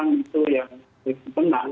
ketika iran itu yang menang